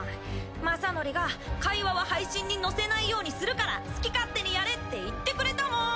マサノリが会話は配信に乗せないようにするから好き勝手にやれって言ってくれたもん！